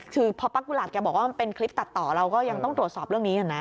คือพอป้ากุหลาบแกบอกว่ามันเป็นคลิปตัดต่อเราก็ยังต้องตรวจสอบเรื่องนี้อยู่นะ